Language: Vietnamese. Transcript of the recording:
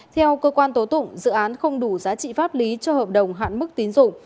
theo cơ quan tố tụng dự án không đủ giá trị pháp lý cho hợp đồng hạn mức tín dụng